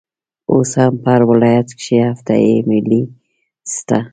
اوس هم په هر ولايت کښي هفته يي مېلې سته.